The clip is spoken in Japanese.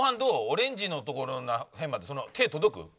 オレンジのところら辺まで手届く？